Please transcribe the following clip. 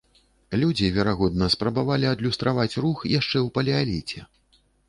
Людзі, верагодна, спрабавалі адлюстраваць рух яшчэ ў палеаліце.